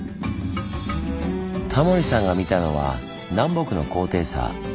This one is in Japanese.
タモリさんが見たのは南北の高低差。